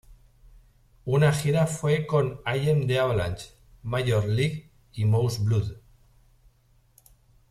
Una gira fue con I Am the Avalanche, Major League, y Moose Blood.